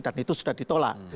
dan itu sudah ditolak